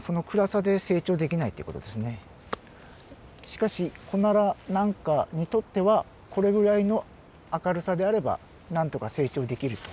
しかしコナラなんかにとってはこれぐらいの明るさであればなんとか成長できると。